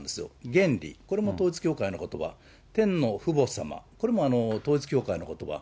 原理、これも統一教会のことば、天のお父母様、これも統一教会のことば。